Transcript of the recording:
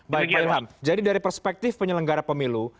baik pak ilham jadi dari perspektif penyelenggara pemilu